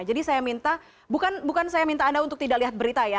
jadi saya minta bukan saya minta anda untuk tidak lihat berita ya